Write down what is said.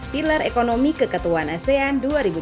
pilar ekonomi keketuan asean dua ribu dua puluh